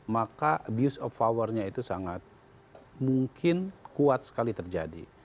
maka abuse of powernya itu sangat mungkin kuat sekali terjadi